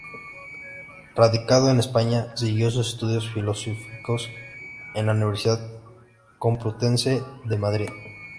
Radicado en España, siguió sus estudios filosóficos en la Universidad Complutense de Madrid.